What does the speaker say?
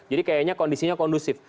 jadi kayaknya kondisinya kondusif